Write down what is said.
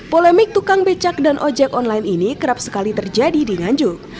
polemik tukang becak dan ojek online ini kerap sekali terjadi di nganjuk